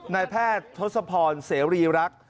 นายแพทย์ทศพรเสรีรักษ์